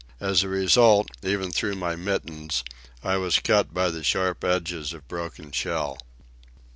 As a result, even through my mittens, I was cut by the sharp edges of broken shell.